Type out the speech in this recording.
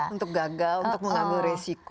untuk gagal untuk mengambil resiko